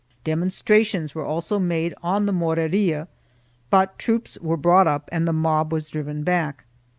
Demonstrations were also made on the Moreria, but troops were brought up and the mob was driven back.